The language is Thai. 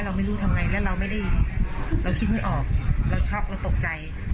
เราไม่รู้ทำไงแล้วเราไม่ได้เราคิดไม่ออกเราช็อกเราตกใจ